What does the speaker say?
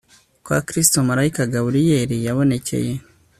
kwa Kristo marayika Gaburiyeli yabonekeye